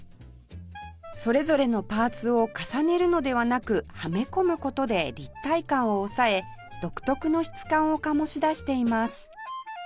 それぞれのパーツを重ねるのではなくはめ込む事で立体感を抑え独特の質感を醸し出しています